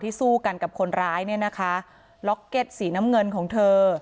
สู้กันกับคนร้ายเนี่ยนะคะล็อกเก็ตสีน้ำเงินของเธอ